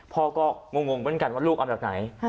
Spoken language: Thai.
พ่อก็งงเหมือนกันว่าลูกเอาแบบไหน